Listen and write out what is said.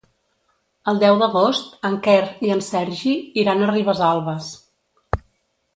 El deu d'agost en Quer i en Sergi iran a Ribesalbes.